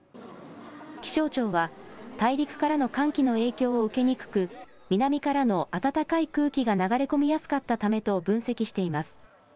気象庁は大陸からの寒気の影響を受けにくく南からの暖かい空気が流れ込みやすかったためと分析しています。